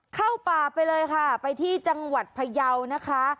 เข้าป่าไปเลยค่ะไปที่จังหวัดพยาวนะคะ